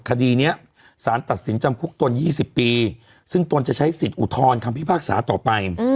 คดีนี้สารตัดสินจำคุกตน๒๐ปีซึ่งตนจะใช้สิทธิ์อุทธรณ์คำพิพากษาต่อไป